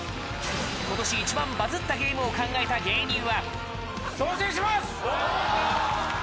今年一番バズったゲームを考えた芸人は？